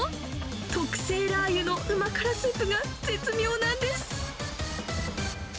特製ラー油のうま辛スープが絶妙なんです。